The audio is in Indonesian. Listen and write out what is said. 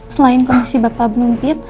selain kondisi bapak belum pit